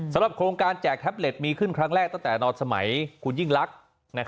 สำหรับโครงการแจกแท็บเล็ตมีขึ้นครั้งแรกตั้งแต่ตอนสมัยคุณยิ่งลักษณ์